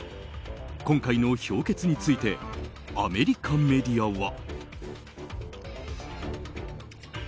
今回の評決についてアメリカメディアは。